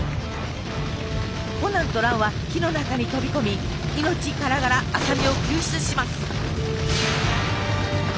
コナンと蘭は火の中に飛び込み命からがら麻美を救出します。